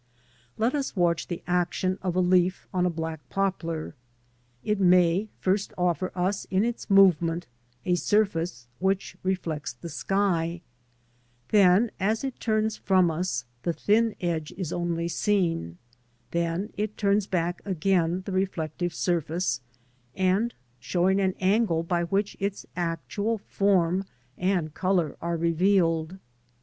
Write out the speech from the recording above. "'""' Let us watch the action of a leaf on a black poplar. It may first offer us in its movement a surface which reflects the sky, then as it turns from us, the thin edge is only seen, then it turns back again the reflective surface, and showing an angle by which its actual form and colour are revealed.